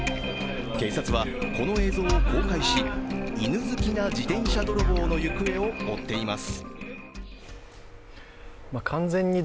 警察はこの映像を公開し犬好きな自転車泥棒の行方を追っています。